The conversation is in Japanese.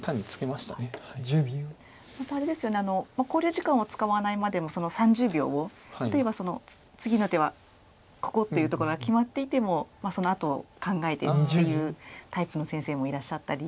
またあれですよね考慮時間を使わないまでも３０秒を例えば次の手はここっていうところが決まっていてもそのあとを考えてっていうタイプの先生もいらっしゃったり。